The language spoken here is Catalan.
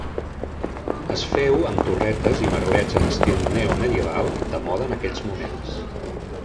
Es féu amb torretes i merlets en estil neomedieval, de moda en aquells moments.